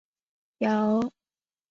由曼迪传播代理亚洲总动画授权。